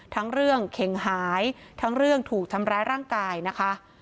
ทั้งเรื่องเข็งหายทั้งเรื่องถูกทำร้ายร่างกายนะคะ